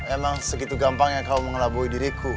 emang segitu gampangnya kamu mengelabui diriku